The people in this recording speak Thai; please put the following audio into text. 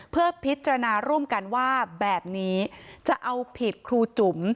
เพื่อพิจารณาร่วมกันว่าแบบนี้จะเอาผิดครูจุ๋ม